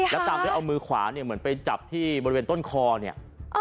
แล้วตามด้วยเอามือขวาเนี่ยเหมือนไปจับที่บริเวณต้นคอเนี่ย